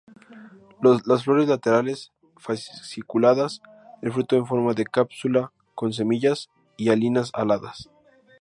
Las flores laterales, fasciculadas; el fruto en forma de cápsula con semillas; hialinas aladas.